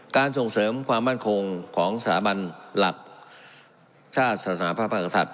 ส่งเสริมความมั่นคงของสถาบันหลักชาติศาสนาพระมหากษัตริย